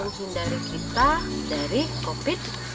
menghindari kita dari covid